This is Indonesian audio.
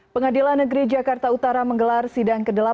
pengadilan negeri jakarta utara menggelar sidang ke delapan